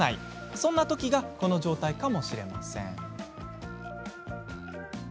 そんなときがこの状態かもしれません。